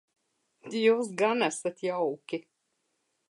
Jūs gan esat jauki.